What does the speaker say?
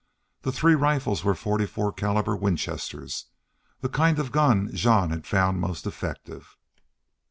The three rifles were forty four calibre Winchesters, the kind of gun Jean had found most effective.